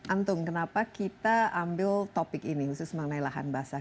antung kenapa kita ambil topik ini khusus mengenai lahan basah